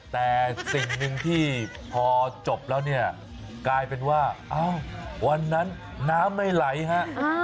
แต่สิ่งหนึ่งที่พอจบแล้วเนี่ยกลายเป็นว่าวันนั้นน้ำไม่ไหลฮะ